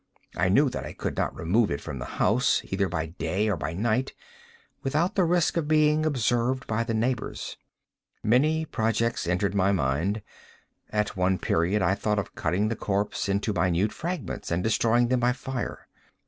I knew that I could not remove it from the house, either by day or by night, without the risk of being observed by the neighbors. Many projects entered my mind. At one period I thought of cutting the corpse into minute fragments, and destroying them by fire.